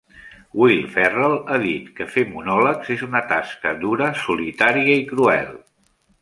Will Ferrell ha dit que fer monòlegs és una tasca "dura, solitària i cruel".